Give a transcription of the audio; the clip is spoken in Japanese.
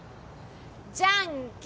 じゃんけん